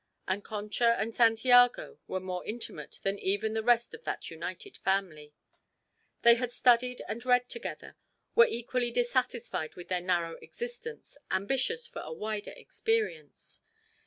And Concha and Santiago were more intimate than even the rest of that united family. They had studied and read together, were equally dissatisfied with their narrow existence, ambitious for a wider experience.